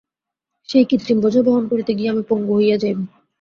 সেই কৃত্রিম বোঝা বহন করিতে গিয়া আমি পঙ্গু হইয়া যাইব।